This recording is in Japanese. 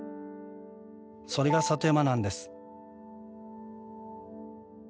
それが里山なんです。